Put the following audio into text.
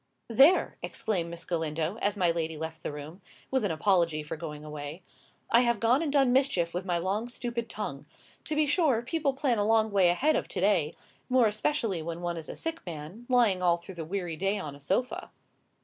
"There!" exclaimed Miss Galindo, as my lady left the room, with an apology for going away; "I have gone and done mischief with my long, stupid tongue. To be sure, people plan a long way ahead of to day; more especially when one is a sick man, lying all through the weary day on a sofa."